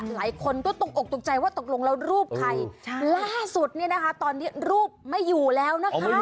หลายคนก็ตกอกตกใจว่าตกลงแล้วรูปใครล่าสุดเนี่ยนะคะตอนนี้รูปไม่อยู่แล้วนะคะ